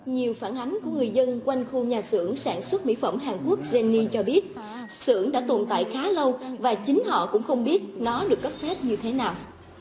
nhiều phản ánh của người dân quanh khu nhà xưởng sản xuất mỹ phẩm hàn quốc jenny cho biết xưởng đã tồn tại khá lâu và chính họ cũng không biết nó được cấp phép như thế nào